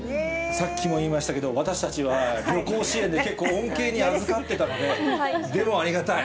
さっきも言いましたけど、私たちは旅行支援で結構、恩恵にあずかってたので、でもありがたい。